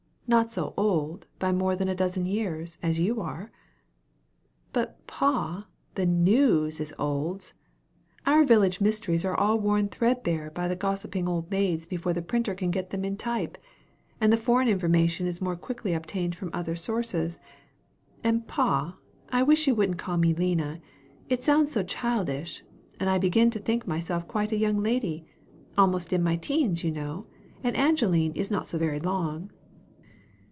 Not so old, by more than a dozen years, as you are." "But, pa, the news is olds. Our village mysteries are all worn threadbare by the gossiping old maids before the printer can get them in type; and the foreign information is more quickly obtained from other sources. And, pa, I wish you wouldn't call me Lina it sounds so childish, and I begin to think myself quite a young lady almost in my teens, you know; and Angeline is not so very long."